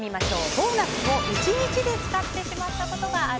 ボーナスを１日で使ってしまったことがある？